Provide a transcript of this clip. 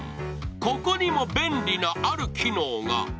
ここにも便利な、ある機能が。